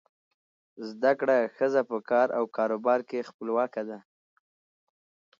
زده کړه ښځه په کار او کاروبار کې خپلواکه ده.